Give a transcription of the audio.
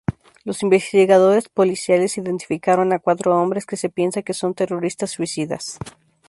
Los investigadores policiales identificaron a cuatro hombres que se piensa que son terroristas suicidas.